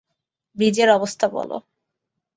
ব্রিজের অবস্থা বলো।